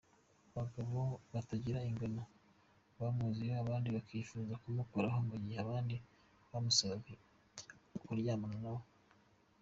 Abagabo batagira ingano bamwuzuyeho abandi bakifuza kumukoraho mu gihe abandi bamusabaga kuryamana na we.